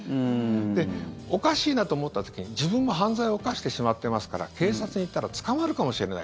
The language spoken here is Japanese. で、おかしいなと思った時に自分も犯罪を犯してしまってますから警察に行ったら捕まるかもしれない。